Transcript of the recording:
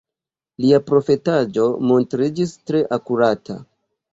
Lia profetaĵo montriĝis tre akurata.